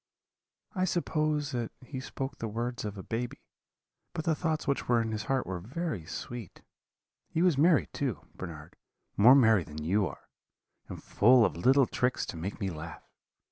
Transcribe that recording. I suppose that he spoke the words of a baby; but the thoughts which were in his heart were very sweet. He was merry, too, Bernard, more merry than you are, and full of little tricks to make me laugh.